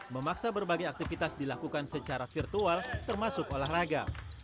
memaksa berbagai aktivitas dilakukan secara virtual termasuk olahraga